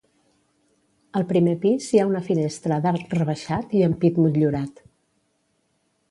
Al primer pis hi ha una finestra d'arc rebaixat i ampit motllurat.